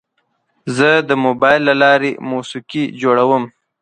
زه د موبایل له لارې موسیقي جوړوم.